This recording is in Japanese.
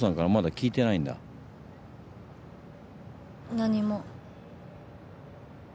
何も。